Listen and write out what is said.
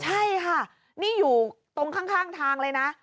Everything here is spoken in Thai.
ใช่ค่ะนี่อยู่ตรงข้างทางเลยนะ